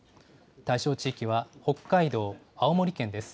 対象地域は北海道、青森県です。